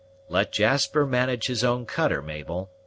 "Let Jasper manage his own cutter, Mabel.